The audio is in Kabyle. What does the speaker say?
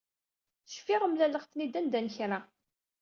Cfiɣ mlaleɣ-ten-id anda n kra.